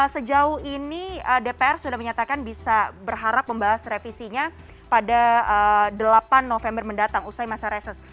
sejauh ini dpr sudah menyatakan bisa berharap membahas revisinya pada delapan november mendatang usai masa reses